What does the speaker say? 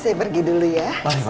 saya pergi dulu ya